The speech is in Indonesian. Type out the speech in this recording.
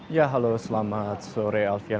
ya halo selamat sore alfian